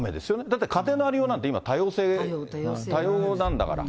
だって、家庭のありようなんて、今、多様性、多様なんだから。